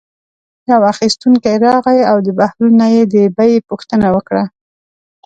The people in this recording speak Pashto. یو اخیستونکی راغی او د بهلول نه یې د بیې پوښتنه وکړه.